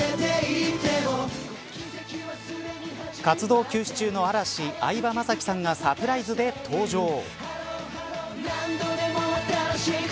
活動休止中の嵐相葉雅紀さんがサプライズで登場。